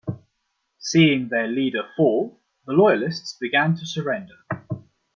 Seeing their leader fall, the Loyalists began to surrender.